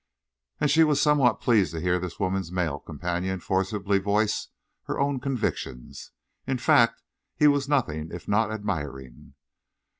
And she was somewhat pleased to hear this woman's male companion forcibly voice her own convictions. In fact, he was nothing if not admiring.